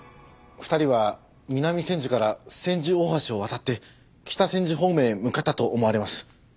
２人は南千住から千住大橋を渡って北千住方面へ向かったと思われます。